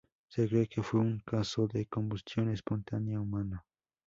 Se cree que fue un caso de Combustión espontánea humana